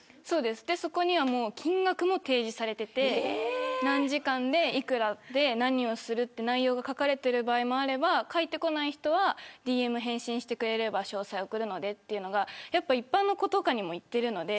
そこには金額も提示されていて何時間、幾らで何をすると内容が書かれている場合もあれば書いてこない人はＤＭ返信してくれれば詳細を送るので、というのが一般の子とかにもいっているので。